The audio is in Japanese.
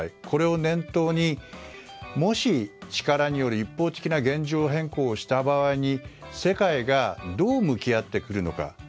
これを念頭に、もし力による一方的な現状変更をした場合に世界がどう向き合ってくるのか。